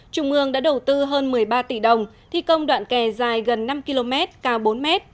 trung ương đã đầu tư hơn một mươi ba tỷ đồng thi công đoạn kè dài gần năm km cao bốn m